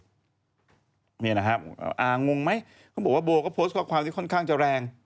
อีกเลยเนี่ยนะครับอ้างงงไหมเขาบอกว่าโปรดข้อความที่ค่อนข้างจะแรง